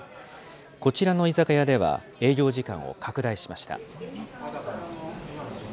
こちらの居酒屋では、営業時間を拡大しました。